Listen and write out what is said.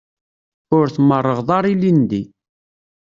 Ur tmerrɣeḍ ara ilindi.